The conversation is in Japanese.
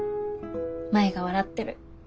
舞が笑ってる。